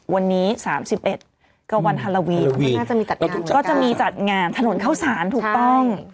วันนี้๓๑ก็วันฮาราวีนก็จะมีจัดงานถนนเข้าสารถูกต้อง